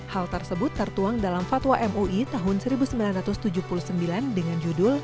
hal tersebut tertuang dalam fatwa mui tahun seribu sembilan ratus tujuh puluh sembilan dengan judul